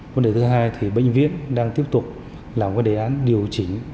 vấn đề thứ hai thì bệnh viện đang tiếp tục làm cái đề án điều chỉnh